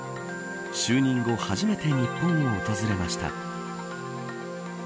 就任後、初めて日本を訪れました。